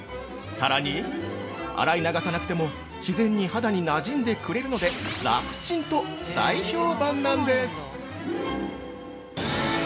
さらに、洗い流さなくても自然に肌になじんでくれるので楽チンと大評判なんです。